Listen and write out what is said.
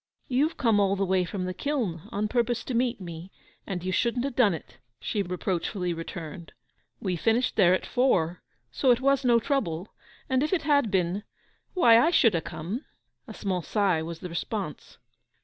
'You've come all the way from the kiln, on purpose to meet me, and you shouldn't have done it,' she reproachfully returned. 'We finished there at four, so it was no trouble; and if it had been—why, I should ha' come.' A small sigh was the response.